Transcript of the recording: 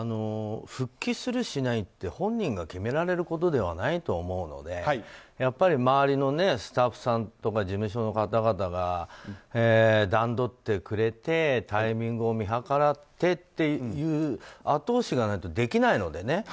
復帰する、しないって本人が決められることではないと思うので周りのスタッフさんとか事務所の方々が段取ってくれてタイミングを見計らってという後押しがないとできないのでね。